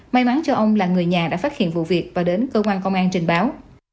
may mắn cho ông là người nhà đã phát hiện vụ việc và đến cơ quan công an trình báo